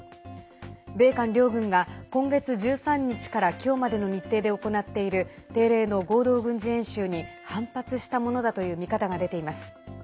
米韓両軍が今月１３日から今日までの日程で行っている定例の合同軍事演習に反発したものだという見方が出ています。